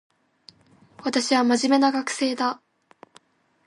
私は真面目な学生だ